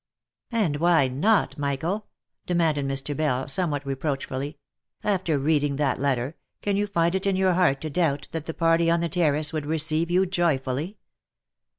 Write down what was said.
" And why not, Michael?" demanded Mr. Bell somewhat reproach fully ;" after reading that letter, can you find it in your heart to doubt that the party on the terrace would receive you joyfully